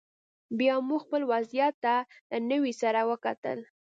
بیا موږ خپل وضعیت ته له نوي سره وکتل